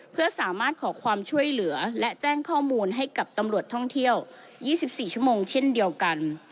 เพื่อสามารถขอความช่วยเหลือและแจ้งข้อมูลให้กับตำรวจท่องเที่ยว๒๔ชั่วโมงเช่นเดียวกัน